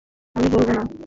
আমি বলব, না।